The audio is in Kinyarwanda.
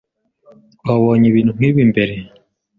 Twabonye ibintu nkibi mbere.